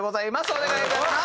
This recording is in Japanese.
お願いいたします！